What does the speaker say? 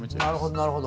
なるほど。